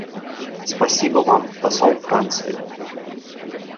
Спасибо Вам, посол Франции.